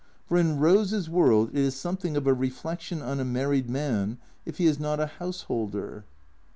For in Rose's world it is somewhat of a reflection on a married man if he is not a householder.